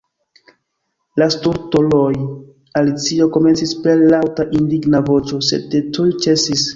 "La stultuloj!" Alicio komencis per laŭta indigna voĉo, sed tuj ĉesis.